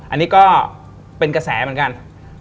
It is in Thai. อันนี้ก็เป็นกระแสเหมือนกัน